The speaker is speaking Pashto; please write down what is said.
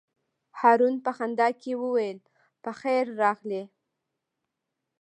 هارون په خندا کې وویل: په خیر راغلې.